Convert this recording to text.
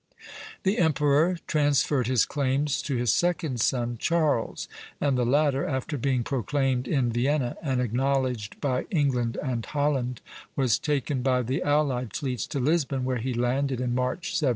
The emperor transferred his claims to his second son, Charles; and the latter, after being proclaimed in Vienna and acknowledged by England and Holland, was taken by the allied fleets to Lisbon, where he landed in March, 1704.